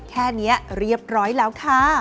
แค่นี้เรียบร้อยแล้วค่ะ